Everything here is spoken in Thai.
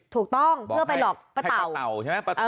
ถูกต้องเพื่อไปหลอกปะเต่า